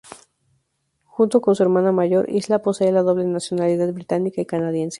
Junto con su hermana mayor, Isla posee la doble nacionalidad británica y canadiense.